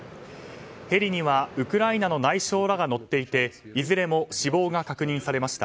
ヘリにはウクライナの内相らが乗っていていずれも死亡が確認されました。